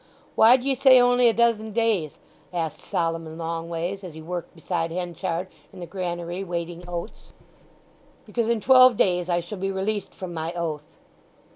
"Why d'ye say only a dozen days?" asked Solomon Longways as he worked beside Henchard in the granary weighing oats. "Because in twelve days I shall be released from my oath."